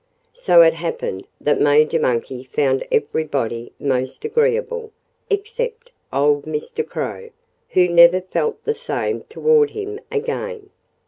So it happened that Major Monkey found everybody most agreeable except old Mr. Crow, who never felt the same toward him again.